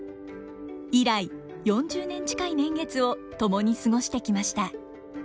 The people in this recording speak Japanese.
以来４０年近い年月を共に過ごしてきました。